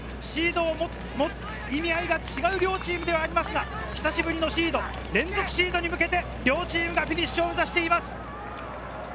城西、東洋、シードの持つ意味合いが違う両チームですが、久しぶりのシードと連続シードに向けて、フィニッシュを目指しています。